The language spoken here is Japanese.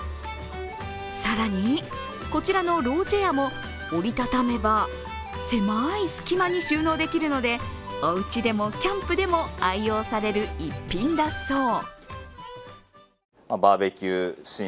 更にこちらのローチェアも折り畳めば狭い隙間に収納できるのでおうちでもキャンプでも愛用される一品だそう。